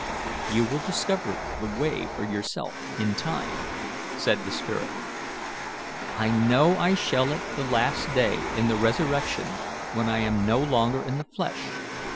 "You will discover the way for yourself in time," said the spirit. "I know I shall at the last day, in the resurrection, when I am no longer in the flesh.